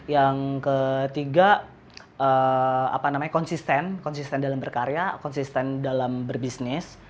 yang ketiga konsisten dalam berkarya konsisten dalam berbisnis